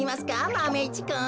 マメ１くん。